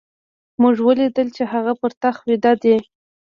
موږ وليدل چې هغه پر تخت ويده دی.